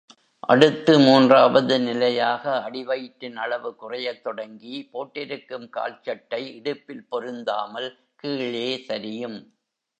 அடுத்து மூன்றாவது நிலையாக அடிவயிற்றின் அளவு குறையத் தொடங்கி போட்டிருக்கும் கால் சட்டை இடுப்பில் பொருந்தாமல் கீழே சரியும்.